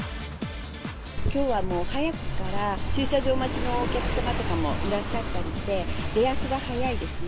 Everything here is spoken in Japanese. きょうはもう早くから駐車場待ちのお客様とかもいらっしゃったりして、出足が早いですね。